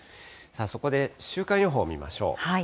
そこで、週間予報見ましょう。